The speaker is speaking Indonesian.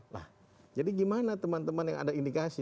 nah jadi gimana teman teman yang ada indikasi